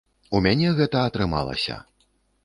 У мяне гэта атрымалася.